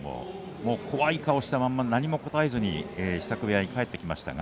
怖い顔をしたまま、何も言わずそのまま支度部屋に帰っていきました。